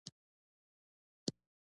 خو په ټوله کې یې عملي امکان شته.